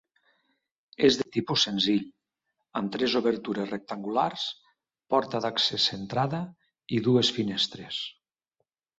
És de tipus senzill, amb tres obertures rectangulars, porta d'accés centrada i dues finestres.